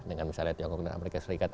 dengan misalnya tiongkok dan amerika serikat